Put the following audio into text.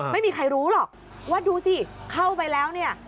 ไม่มีใครรู้หรอกว่าดูสิเข้าไปแล้วเนี่ย